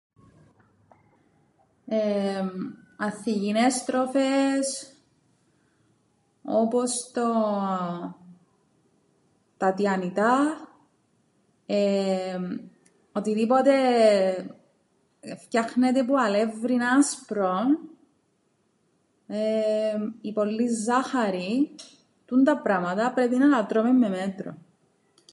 Ανθυγιεινές τροφές όπως το- τα τηανητά, εεεμ, οτιδήποτε φτιάχνεται που αλεύρι άσπρον, η πολλή ζάχαρη, τούντα πράματα πρέπει να τα τρώμεν με μέτρον.